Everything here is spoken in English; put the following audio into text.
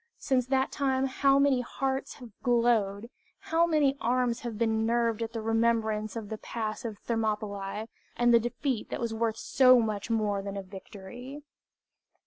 Since that time how many hearts have glowed, how many arms have been nerved at the remembrance of the Pass of Thermopylć, and the defeat that was worth so much more than a victory!